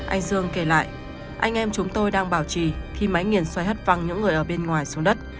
anh dương kể lại anh em chúng tôi đang bảo trì khi máy nghiền xoay hất văng những người ở bên ngoài xuống đất